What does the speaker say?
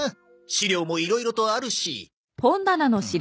資料もいろいろとあるし。